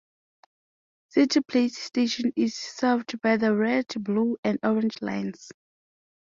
Cityplace station is served by the Red, Blue, and Orange Lines.